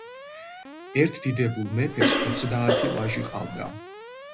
ერთ დიდებულ მეფეს ოცდაათი ვაჟი ყავდა.